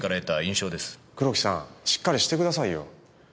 黒木さんしっかりしてくださいよ。